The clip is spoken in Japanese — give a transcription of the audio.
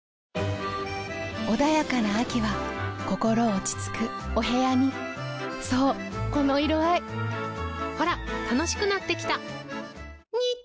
穏やかな秋は心落ち着くお部屋にそうこの色合いほら楽しくなってきた！